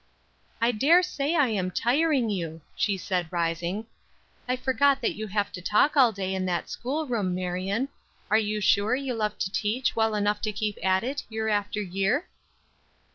"I dare say I am tiring you," she said, rising. "I forget that you have to talk all day in that school room, Marion. Are you sure you love to teach well enough to keep at it, year after year?"